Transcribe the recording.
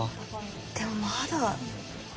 でもまだ。